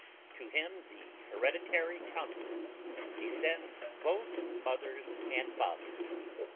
To him the hereditary countenance descends both mother's and father's.